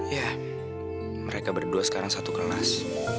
ya mereka berdua sekarang satu kelas